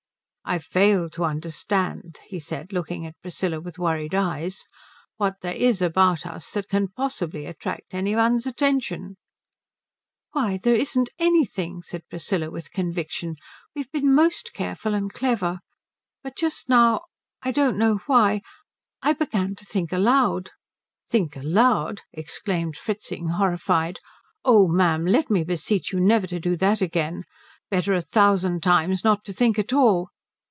"I fail to understand," he said, looking at Priscilla with worried eyes, "what there is about us that can possibly attract any one's attention." "Why, there isn't anything," said Priscilla, with conviction. "We've been most careful and clever. But just now I don't know why I began to think aloud." "Think aloud?" exclaimed Fritzing, horrified. "Oh ma'am let me beseech you never again to do that. Better a thousand times not to think at all.